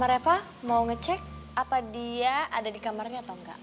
mbak reva mau ngecek apa dia ada di kamarnya atau enggak